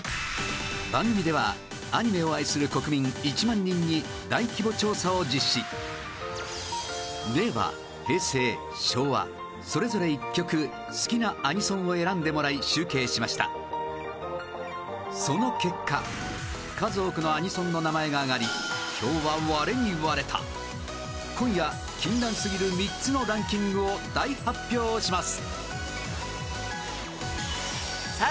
番組ではアニメを愛する国民１万人に大規模調査を実施令和、平成、昭和それぞれ１曲好きなアニソンを選んでもらい集計しましたその結果、数多くのアニソンの名前が挙がり票は、割れに割れた今夜、禁断すぎる３つのランキングを大発表します